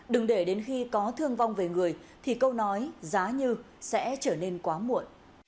đừng để đến khi có thương vong về người thì câu nói giá như sẽ trở nên quá muộn